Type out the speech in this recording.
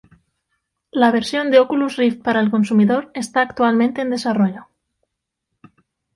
La versión de Oculus Rift para el consumidor está actualmente en desarrollo.